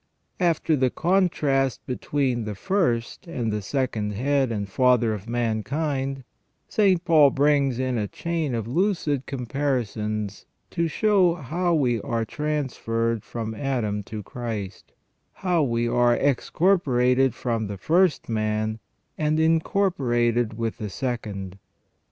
After the contrast between the first and the second head and father of mankind, St. Paul brings in a chain of lucid com parisons to show how we are transferred from Adam to Christ ; how we are excorporated from the first man and incorporated with the second.